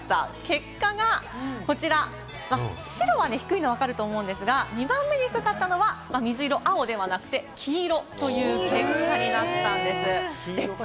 結果が白が低いのは分かると思いますが、２番目に低かったのは水色、青ではなくて、黄色という結果になったんです。